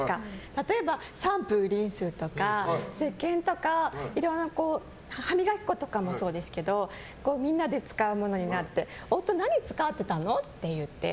例えば、シャンプー、リンスとかせっけんとかいろんな歯磨き粉とかもそうですけどみんなで使うものになって夫、何使ってたの？って言って。